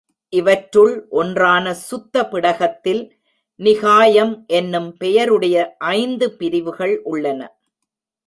இவற்றுள் ஒன்றான சுத்த பிடகத்தில், நிகாயம் என்னும் பெயர் உடைய ஐந்து பிரிவுகள் உள்ளன.